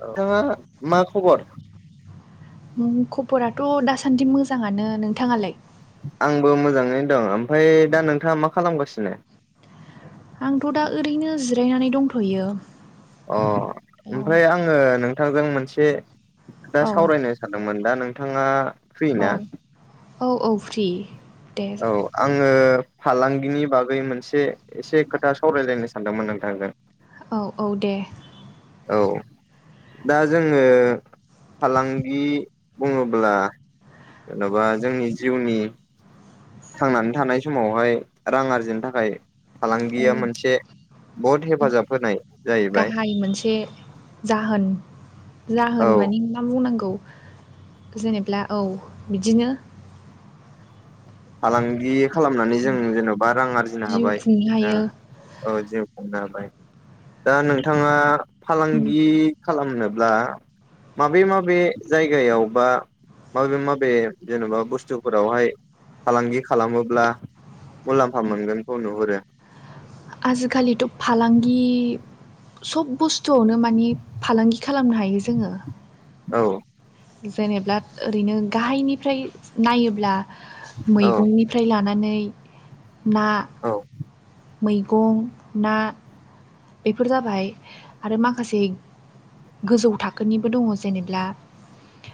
नोंथाङा मा खबर? खबराथ' दासानदि मोजाङानो, नोंथाङालाय? आंबो मोजाङैनो दं। ओमफ्राय दा नोंथाङा मा खालामगासिनो? आंथ' दा ओरैनो जिरायनानै दंथ'यो अ औ। ओमफ्राय आङो नोंथांजों मोनसे दा औ सावरायनो सानदोंमोन दा नोंथाङा फ्रि ना औ औ औ फ्रि। दे औ आङो फालांगिनि बागै मोनसे एसे खोथा सावरायलायनो सानदोंमोन नोंथांजों। औ औ दे। औ। दा जोङो फालांगि बुङोब्ला जेन'बा जोंनि जिउनि थांनानै थानाय समावहाय रां आरजिनो थाखाय औ फालांगिया मोनसे बहुत हेफाजाब होनाय जाहैबाय गाहाइ मोनसे जाहोन, जाहोन औ माने मा बुंनांगौ जेनेब्ला औ बिदिनो। फालाांगि खालामनानै जों जेन'बा रां आरजिनो जिउ हाबाय खुंनो ओ हायो औ जिउ खुंनो हाबाय। दा नोंथाङा उम, फालांगि खालामनोब्ला माबे माबे जायगायाव बा माबे माबे जेनेबा बुस्थुफोरावहाय फालांगि खालामोब्ला मुलाम्फा मोनगोनखौ नुहुरो? आजिखालिथ' फालांगि सब बुस्थुआवनो मानि फालांगि खालामनो हायो जोङो। औ। जेनेब्ला ओरैनो गाहायनिफ्राय नायोब्ला औ मैगंनिफ्राय लाना नै, ना, औ मैगं, ना बेफोर जाबाय। आरो माखासे गोजौ थाखोनिबो दङ जेनेब्ला।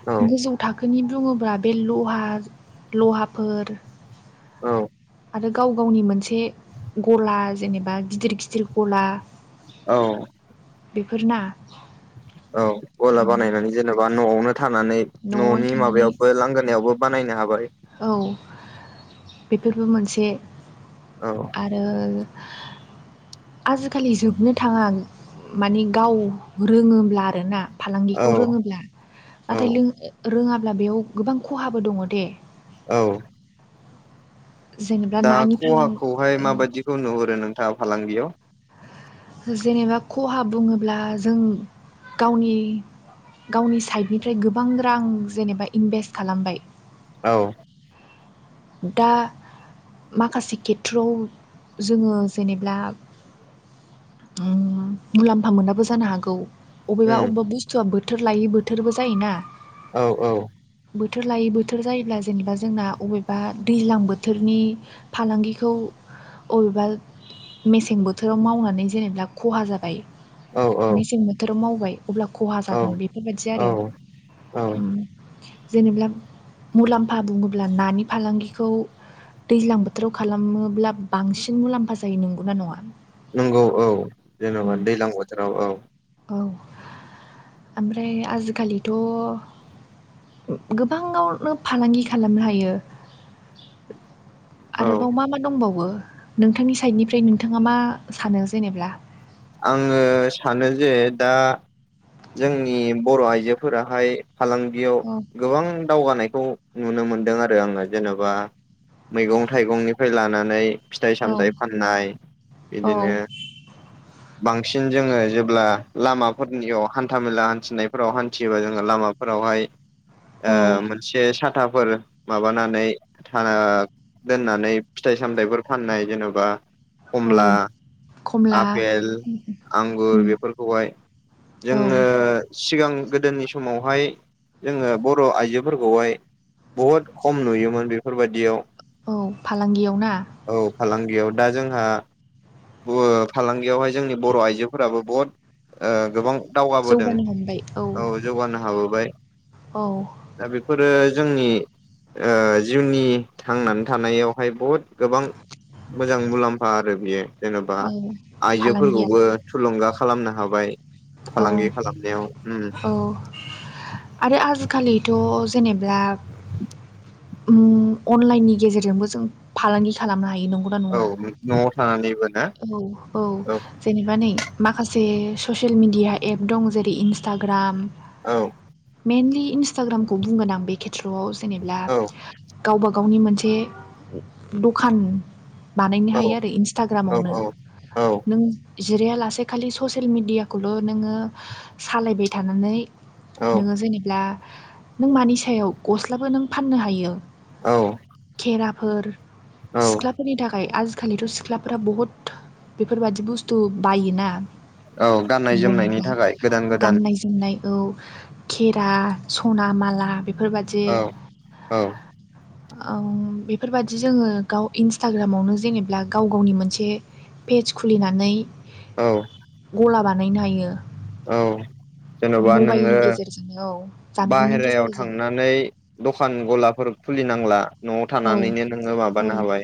औ गोजौ थाखोनि बुङोब्ला बे लहा लहाफोर औ आरो गाव गावनि मोनसे गला जेनेबा गिदिर गिदिर गला औ बेफोरना औ गला बानायनानै जेनेबा न'आवनो थानानै न'आव न'नि थानानै माबायावबो लांगोनायावबो बानाय नो हाबाय। औ बेफोरबो मोनसे। औ आरो आजिखालि जोबनो थाङा माने गाव रोङोब्ला आरोना। फालांगिखौ औ रोङोब्ला नाथाय औ लों रोङाब्ला बेयाव गोबां खहाबो दङ दे। औ जेनेबा दा नानि फालां खहाखौहाय ओ माबायदिखौ नुहुरो नोंथाङा फालांगियाव? जेनेबा खहा बुङोब्ला जों गावनि गावनि साइडनिफ्राय गोबां रां जेनेबा इनभेस्ट खालामबाय औ दा माखासे खेथ्रआव जोङो जेनेब्ला उम मुलाम्फा मोनाबो जानो हागौ। अबेबा उम अबेबा बुस्थुआ बोथोर लायि बोथोरबो जायोना। औ औ बोथोर लायै बोथोर जायोब्ला जेनेबा जोंना अबे बा दैज्लां बोथोरनि फालांगिखौ अबेबा मेसें बोथोराव मावनानै जेनेबा खहा जाबाय। औ औ मेसें बोथोराव मावबाय अब्ला खहा औ जागोन बेफोरबायदि आरो। औ औ जेनेबा मुलाम्फा बुङोब्ला नानि फालांगिखौ दैज्लां बोथोराव खालामोब्ला बांसिन मुलाम्फा जायो नंगौना नङा? नंगौ औ उम जेनेबा दै्लां बोथोराव औ। औ ओमफ्राय आजिखालिथ' गोबाङावनो फालांगि खालामनो हायो। औ आरोबाव मा मा दंबावो? नोंथांनि साइडनिफ्राय नोंथाङा मा सानो जेनेब्ला? आङो सानो जे दा जोंनि बर' आइजोफोराहाय फालांगियाव औ गोबां दावगानायखौ नुनो मोनदों आरो आङो जेनेबा मैगं थाइगंनिफ्राय लानानै फिथाइ औ सामथायाइ फाननाय औ बिदिनो बांसिन जोङो जेब्ला लामाफोरनियाव हान्था मेला हान्थिनायफोराव हान्थियोबा जोङो लामाफोराव बावहाय औ मोनसे सा थाफोर माबानानै था दोननानै फिथाइ सामथायाइफोर फाननाय जेन'बा औ कमला बेेल आंगुर बेफोरखौहाय औ जोङो सिगां गोदोनि समावहाय जोङो बर' आइजोफोरखौहाय बहुद खम नुयोमोन बेफोरबायदियाव औ फालांगियाव ना? औ फालांगियाव दा जोंहा फालांगियावहाय जोंनि बर' आइजोफोराबो बहुत ओ गोबां दावगाबोदों। जौगानो हमबाय औ जौगानो हाबोबाय औ दा बेफोरो जोंनि ओ जिउनि थांनानै थानायावहाय बहुद गोबां मोजां मुलाम्फा आरो बियो जेन'बा औ फालांगिया आइजोफोरखौबो थुलुंगा खालामनो हाबाय। औ फालांगि खालामनायाव उम औ आरो आजिखालिथ' जेनेब्ला [inaudible] अनलाइननि गेजेरजोंबो जों फालांगि खालामनो हायो। हायो नंगौना औ नङा न'आव थानानैबो ना औ औ जेनेबा नै माखासे ससियेल मिडिया एप दं जेरै इन्सटाग्राम औ। मेइनलि इन्स्टाग्रामखौ बुंगोन आं बे खेथ्रआव जेनेब्ला औ गावबा गावनि मोनसे द'खान बानायनो औ हायो आरो इन्सटाग्रामावनो औ औ नों जिराया लासे खालि ससियेल मिडियाखौ खौल नोङो सालायबाय थानानै औ नोङो जेनेब्ला नों मानि सायाव गस्लाबो नों फाननो हायो। औ। फोर औ सिख्लाफोरनि थाखाय आजि आजिखालिथ' सिख्लाफोरा बहुत बेफोरबायाददि बुस्थु बायोना औ गाननाय जोमनायनि जानाय थाखाय गोदान गोदान गाननाय जोमनाय औ खेरा सना माला बेफोरबादि औ औ बेफोरबादि जोङो गाव इन्सटाग्रामावनो जेनेबा गाव गावनि मोनसे पेेज खुलिनानै औ गला बानायनो हायो औ जेनबा नोङो मबाइलनि गेजेरजोंनो औ जानबुंनि बाहेरायाव गेजेरजों थांनानै द'खान गलाफोर कुलिनांला न'आव औ थानानैनो नोङो औ माबानो हाबाय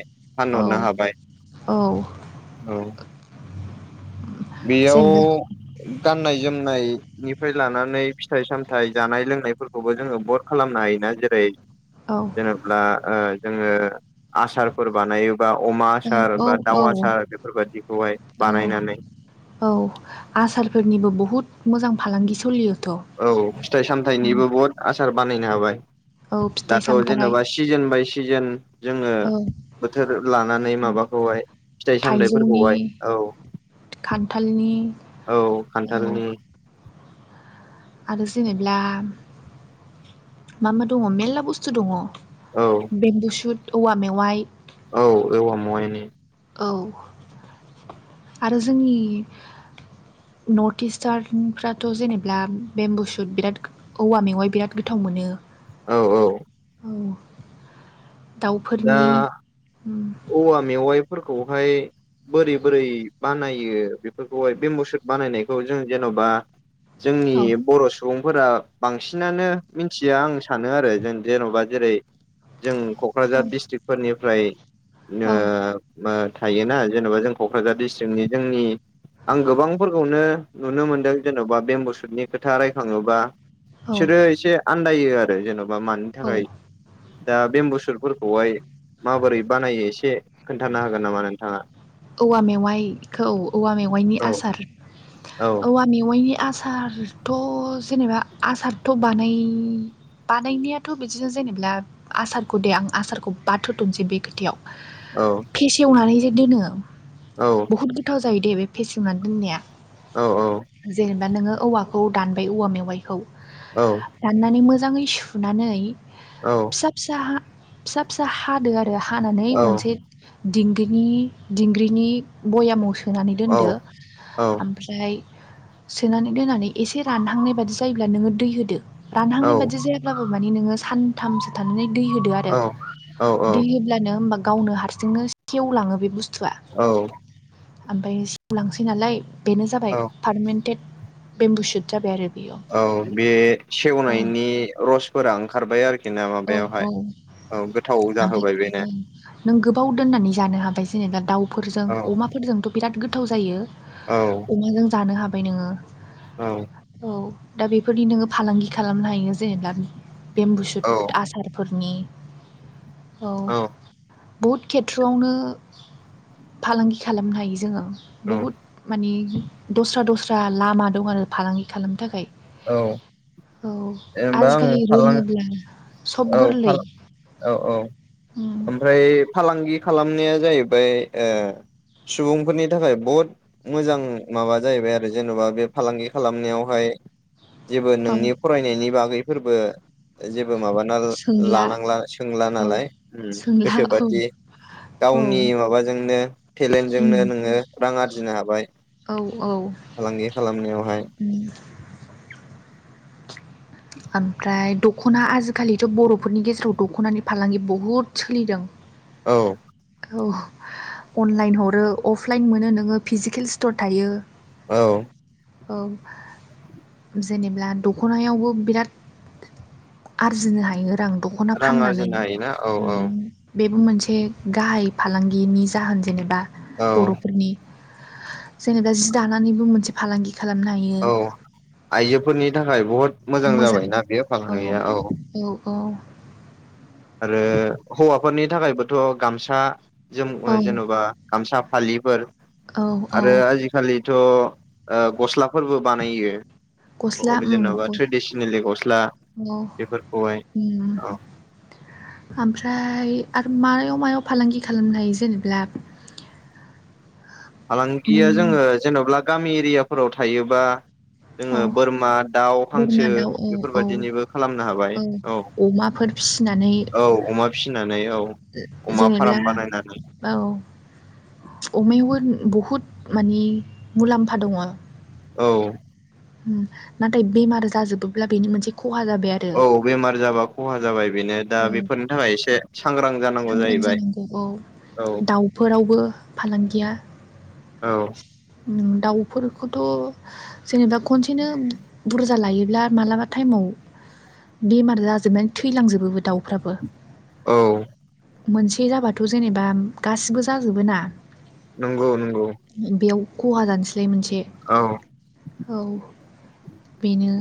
औ फानहरनो हाबाय। औ औ बेयाव जेनेबा गाननाय जोमनाय निफ्राय लानानै फिथाइ सामथाय जानाय लोंनायफोरखौबो जोङो बट खालामनो हायोना जेरै औ जेनेब्ला ओजोङो आसारफोर बानायो बा अमा आसार औ बा औ दाउ औ आसार बेफोरबादिखौहाय औ बानायनानै औ आसारफोरनिबो बहुद मोजां फालांगि सलियो औ फिथाइ सामथायाइनिबो बहुत आसार बानायनो हाबाय। औ फिथाइ दाथ' सामथाइ जेनेबा सिजोन बाय सिजोन जोङो औ बोथोर लानानै उम माबाखौहाय फिथाइ थाइजौनि सामथायाइफोरखौहाय औ खान्थालनि औ औ खान्थालनि आरो जेनेब्लामा मा दङ मेरला बुस्थु दङ। औ बेम्बुसुट औवा मेवाइ औ औव आ मायनि औ आरो जोंनि नर्थ इस्टार्नफ्राथ जेनेब्ला बेम्बु सुट बिराद औवा मेवाइ बिराद गोथाव मोनो। औ औ। औ दा दाउफोरनि उम औवा मेवाइफोरखौहाय बोरै बोरै बानायो बेफोरखौहाय बे मुसुद बानायनायखौ जों जेन'बा जोंनि औ बर' सुबुं फोर बांसिनानो मिथिया आं सानो आरो जों जेनबा जेरै जों कक्राझार औ दिडस्ट्रिक्फोरनिफ्राय औ थायोना जेनेबा जों कक्राझार डिस्ट्रिक्टनि जोंनि आं गोबांफोरखौनो नुनो मोनदों जेनबा बेम्बुसुटनि खोथा रायखाङोबा औ बिसोरो एसे आन्दायो आरो जेनबा मानि औ थाखाय दा बेम बुसु फोरखौहाय माबोरै बानायो एसे खोन्थानो हागोन नामा नोंथाङा औवा मेवाइखौ औवा मेवाइनि औ आसार औवा मेवाइनि आसारथ' जेनेबा आसारथ' बानाय बानायनायाथ' बिदिनो जा जेनेब्ला आसारखौ दे आं आसारखौ बाथ होथ'नसै बे खोथायाव। फेसेवनानै जे दोनो बुहुत गोथाव जायो दे बे फेसेवनानै दोननाया। जेनेबा नोङो औवाखौ दानबाय औवा मेवाय खौ राननानै मोजाङै सुनानै फिसा फिसा हा फिसा फिसा हादो आरो हानानै मोनसे दिंगिनि दिंग्रिनि बयामाव सोनानै दोनदो ओमफ्राय सोनानै दोनानै एसे रानहांनाय बादि जायोब्ला नोङो दै होदो, रानहांनाय बादि जायाब्लाबो मानि नोङो सानथामसो थानानै दै होदो आरो। दै होब्लानो होमबा गावनो हारसिंनो सेवलाङो बे बुस्थ औ। ओमफ्राय सिवलांसै नालाय, बेनो जाबाय पारमेनटेट बेम्बु सुट जाबाय आरो। बेयो औ बे औ सेवनायनि रसफोरा ओंखारबाय आरो बिना औ औ माबायावहाय औ गोथाव ओमफ्राय जाहोबाय औ बेनो। नों गोबाव दोननानै जानो हाबाय जेनेबा दाउफोरजों औ अमाफोरजोंथ' बिराद गोथाव जायो। औ अमाजों जानो हाबाय नोङो । औ औ। दा बेफोरनि नोङो फालांगि खालामनो हायो जेनेबा बेम्बु औ सुट आसारफोरनि औ। बहुद खेथ्रआवनो फालांगि खालामनो हायो जोङो । औ बहुद माने दस्रा दस्रा लामा दं आरो फालांगि खालामनो थाखाय। औ औ। जेनेबा आं आजिखालि फालां रोङोब्ला सब औ गोरलै फाल औ औ उम ओमफ्राय फालांगि खालाम खामनाया जाहैबाय ओ सुबुंफोरनि थाखाय बहुद मोजां माबा जाहैबाय आरो जेन'बा बे फालांगि खालामनायावहाय जेबो औ नोंनि फरायनायनि बागै फोरबो जेब बो माबाना सोंला लानांला सोंला औ नालाय सोंला औ गोसोबादि औ गावनि माबाजोंनो उम टेलेन्टजोंनो नोङो रां आरजिनो हाबाय औ औ फालांगि खालामनायावहाय । उम ओमफ्राय दख'ना आजिखालिथ' बर'फोरनि गेजेराव दख'नानि फालांगि बहुद सोलिदों। औ औ। अनलाइन हरो अफलाइन मोनो नोङो फिजिकेल स्टर थायो। औ औ [inaudible] जेनेब्ला दख'नायावबो बिराद आरजिनो हायो रां दख'ना रां फाननानै आरजिनो हायोना औ औ उम बेबो मोनसे गाहाय फालांगिनि जाहोन जेनेबा औ बर'फोरनि जेनेबा जि दानानैबो मोनसे फालांगि खालामनो हायो औ। आइजोफोरनि थाखाय बहुद मोजां ना जाबायना बे फालांगिया? औ औ ओ हौवाफोरनि थाखायबोथ' गामसा जोम‌ औ जेन'बा गामसा फालिफोर औ औ आरो आजिखालिथ' गस्लाफोरबो बानायो। गस्ला अब उम जेन'बा औ ट्रेडिसनेेली गस्ला बेफोरखौहाय उम औ [inaudible] ओमफ्राय आरो मायाव मायाव फालांगि खालामनो हायो जेनब्ला? फालांगिया जोङो जेन'बा गामि एरियाफोराव थायोबा औ जोङो बोरमा, दाउ, हांसो बोरमा दाउ औ औ बेफोरबादिनिबो खालामनो हाबाय। औ अमाफोर फिसिनानै औ अमा फिनानै औ। अमा जेनेब्ला फार्म बानायनानै औ अमायावबो बहुद माने मुलाम्फा दङ । औ नाथाय बेमार जाजोबोब्ला बेनि मोनसे खहा जाबाय आरो औ बेमार जाबा खहा जाबाय बेनो दा औ बेफोरनि थाखाय एसे सांग्रां जानांगौ सांग्रां जाहैबाय जानांगौ औ दाउफोरावबो फालांगिया औ दाउफोरखौथ' जेनेबा खनसेनो बुरजा बुरजा लायोब्ला मालाबा टाइमाव बेमार जाजोबनानै थैलांजोबो दाउफ्राबो औ मोनसे जाबाथ' जेनेबा गासिबो जाजोबो ना नंगौ नंगौ। बेयाव खहा जानोसैलाय मोनसे औ औ बेनो